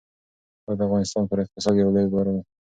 دا د افغانستان پر اقتصاد یو لوی بار و.